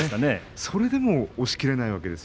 それでも押しきれないわけです。